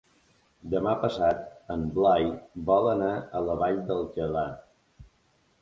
Demà passat en Blai vol anar a la Vall d'Alcalà.